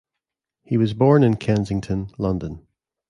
He was born in Kensington, London.